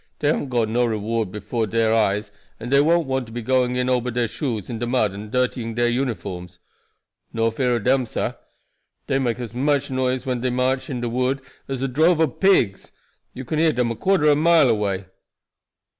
Dey haven't got no reward before dere eyes, and dey won't want to be going in ober dere shoes into de mud and dirtying dere uniforms. No fear ob dem, sah. Dey make as much noise when dey march in de wood as a drove ob pigs. You can hear dem a quarter ob a mile away."